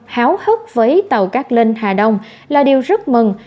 háo hức với tàu các lên hà đông là điều rất mừng